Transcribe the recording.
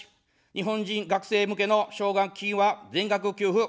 日本人学生向けの奨学金は全額給付。